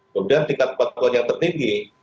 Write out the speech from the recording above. kemudian tiga kepatuan yang tertinggi